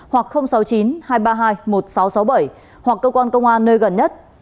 hoặc sáu mươi chín hai trăm ba mươi hai một nghìn sáu trăm sáu mươi bảy hoặc cơ quan công an nơi gần nhất